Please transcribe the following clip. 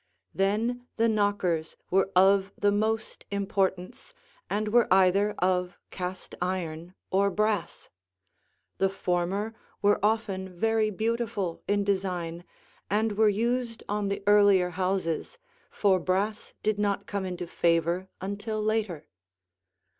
Then the knockers were of the most importance and were either of cast iron or brass. The former were often very beautiful in design and were used on the earlier houses, for brass did not come into favor until later.